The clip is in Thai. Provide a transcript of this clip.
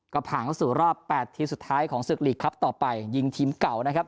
ก็ผ่านเข้าสู่รอบ๘ทีมสุดท้ายของศึกลีกครับต่อไปยิงทีมเก่านะครับ